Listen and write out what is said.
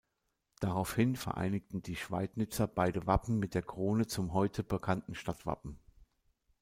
Daraufhin vereinigten die Schweidnitzer beide Wappen mit der Krone zum heute bekannten Stadtwappen.